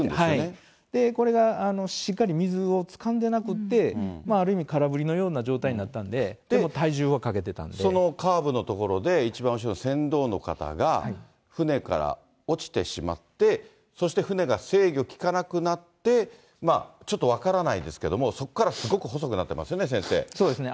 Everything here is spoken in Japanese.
これがしっかり水をつかんでなくって、ある意味、空振りのような状態になったんで、体重はかそのカーブの所で、一番後ろの船頭の方が、船から落ちてしまって、そして船が制御利かなくなって、ちょっと分からないですけども、そこからすごく細くなっていますよね、そうですね。